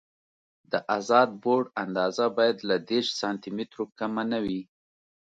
د ازاد بورډ اندازه باید له دېرش سانتي مترو کمه نه وي